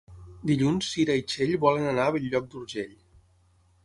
Dilluns na Cira i na Txell volen anar a Bell-lloc d'Urgell.